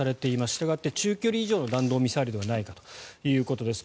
したがって中距離以上の弾道ミサイルではないかということです。